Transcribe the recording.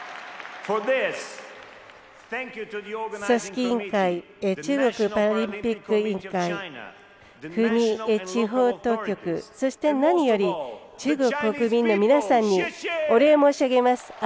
組織委員会中国パラリンピック委員会風紀委員、地方当局そして、何より中国国民の皆さんにお礼を申し上げます。